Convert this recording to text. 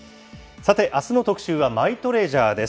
さてあすの特集はマイトレジャーです。